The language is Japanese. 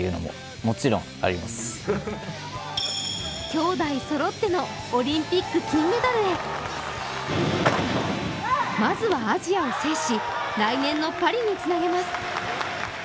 兄弟そろってのオリンピック金メダルへまずはアジアを制し来年のパリにつなげます。